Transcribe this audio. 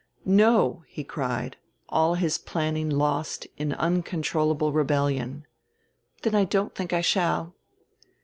"No!" he cried, all his planning lost in uncontrollable rebellion. "Then I don't think I shall."